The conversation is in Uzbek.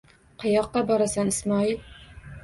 Qayoqqa borasan, Ismoil?